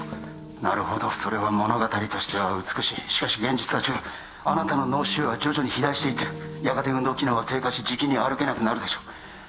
なるほどそれは物語としては美しいしかし現実は違うあなたの脳腫瘍は徐々に肥大していってるやがて運動機能は低下しじきに歩けなくなるでしょう